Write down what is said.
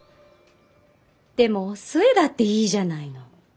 でもお寿恵だっていいじゃないの。